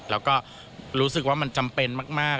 แล้วก็รู้สึกว่ามันจำเป็นมาก